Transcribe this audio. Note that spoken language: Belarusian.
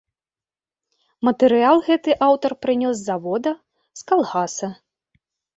Матэрыял гэты аўтар прынёс з завода, з калгаса.